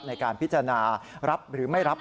ในการพิจารณารับหรือไม่รับ